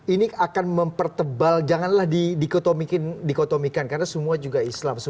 ini akan mempertebal janganlah dikotomikan karena semua juga islam